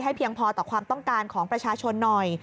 เพียงพอต่อความต้องการของประชาชนหน่อย